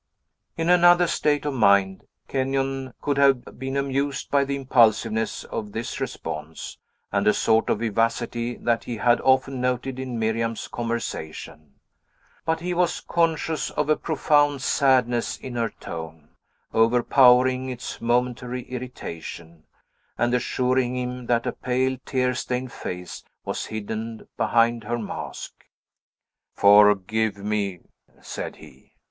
In another state of mind, Kenyon could have been amused by the impulsiveness of this response, and a sort of vivacity that he had often noted in Miriam's conversation. But he was conscious of a profound sadness in her tone, overpowering its momentary irritation, and assuring him that a pale, tear stained face was hidden behind her mask. "Forgive me!" said he.